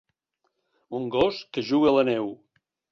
Un gos que juga a la neu